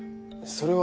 それは。